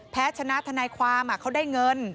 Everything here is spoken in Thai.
แพ้ชนะทนายความเขาได้เงิน